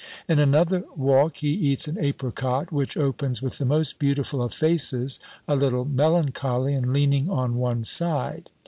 In another walk he eats an apricot, which opens with the most beautiful of faces, a little melancholy, and leaning on one side.